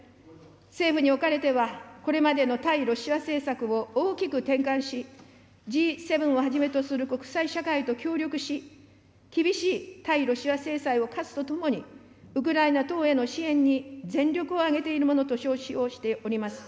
政府におかれてはこれまでの対ロシア政策を大きく転換し、Ｇ７をはじめとする国際社会と協力し、厳しい対ロシア制裁を科すとともに、ウクライナ等への支援に全力を挙げているものと承知をしております。